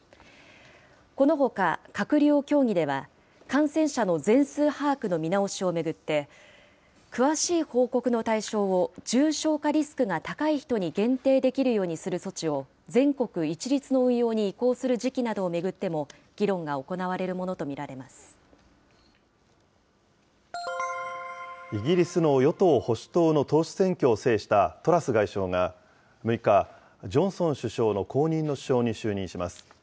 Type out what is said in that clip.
このほか閣僚協議では、感染者の全数把握の見直しを巡って、詳しい報告の対象を重症化リスクが高い人に限定できるようにする措置を、全国一律の運用に移行する時期などを巡っても、議論が行われるもイギリスの与党・保守党の党首選挙を制したトラス外相が、６日、ジョンソン首相の後任の首相に就任します。